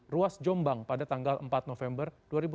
ruas jombang pada tanggal empat november dua ribu dua puluh